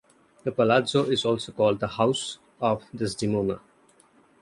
The palazzo is also called the House of Desdemona.